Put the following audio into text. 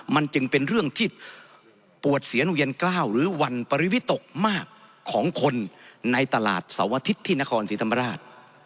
มันจึงเป็นเรื่องที่ปวดเสียนเวียนกล้าวหรือวันปริวิตกมากของคนในตลาดเสาร์อาทิตย์ที่นครศรีธรรมราช